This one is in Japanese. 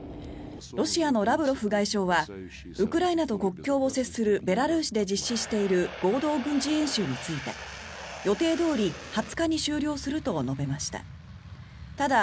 ロシアのラブロフ外相はウクライナと国境を接するベラルーシで実施している合同軍事演習について予定どおり２０日に終了すると述べました。